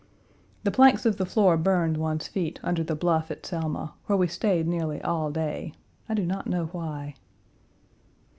The planks of the floor burned one's feet under the bluff at Selma, where we stayed nearly all day I do not know why.